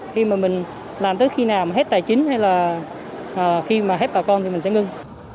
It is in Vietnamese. khi mà mình làm tới khi nào hết tài chính hay là khi mà hết bà con thì mình sẽ ngưng